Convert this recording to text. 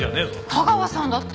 架川さんだって！